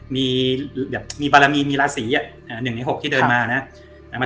มีแบบมีบารมีมีราศี๑ใน๖ที่เดินมานะ